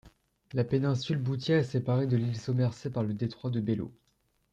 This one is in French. La péninsule Boothia est séparée de l'île Somerset par le détroit de Bellot.